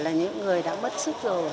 là những người đã bất sức rồi